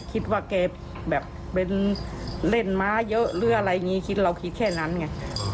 คิดว่าแกแบบเป็นเล่นม้าเยอะหรืออะไรอย่างนี้คิดเราคิดแค่นั้นไง